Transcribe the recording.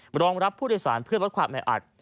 มารองรับผู้โดยสารเพื่อนรถขวับในอัด